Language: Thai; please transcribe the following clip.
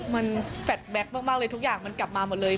มันแฟดแบ็คมากเลยทุกอย่างมันกลับมาหมดเลย